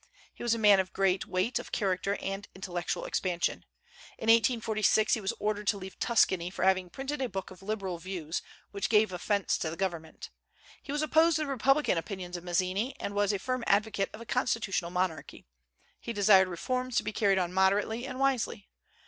He was a man of great weight of character and intellectual expansion. In 1846 he was ordered to leave Tuscany, for having printed a book of liberal views, which gave offence to the government. He was opposed to the republican opinions of Mazzini, and was a firm advocate of a constitutional monarchy. He desired reforms to be carried on moderately and wisely.